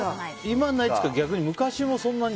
今、ないっていうか昔もそんなに。